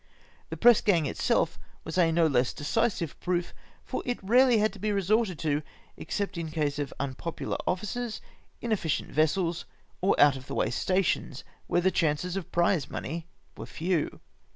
The press gang itself was a no less decisive proof, for it rarely had to be resorted to, except in case of unpopular officers, inefficient vessels, or out of the way stations, where the chances of prize money were few.